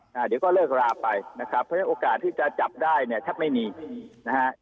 เดี๋ยวก็เลิกราไปนะครับเพราะฉะนั้นโอกาสที่จะจับได้เนี่ยแทบไม่มีนะฮะ